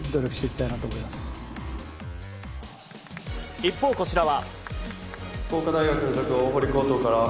一方、こちらは。